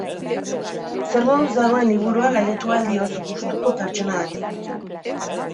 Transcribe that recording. Zer moduz dagoen liburua galdetu ahal diozu gustuko pertsona bati.